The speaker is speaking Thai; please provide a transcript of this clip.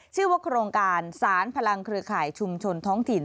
ชื่อว่าโครงการสารพลังเครือข่ายชุมชนท้องถิ่น